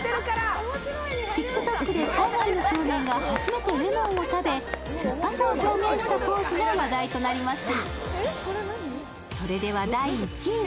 ＴｉｋＴｏｋで海外の少年が初めてレモンを食べ酸っぱさを表現したポーズが話題となりました。